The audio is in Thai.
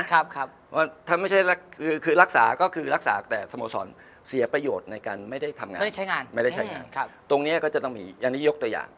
ถ้าไม่ใช่คือรักษาก็คือรักษาแต่สโมสรเสียประโยชน์ในการไม่ได้ทำงานไม่ได้ใช้งานตรงนี้ก็จะต้องมีอันนี้ยกตัวอย่าง